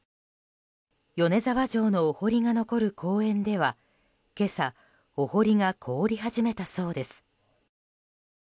米沢城のお堀が残る公園では今朝、お堀が凍り始めたそうです。